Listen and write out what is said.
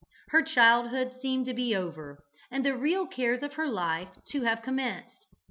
Her childhood seemed to be over, and the real cares of life to have commenced.